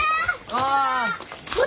ああ。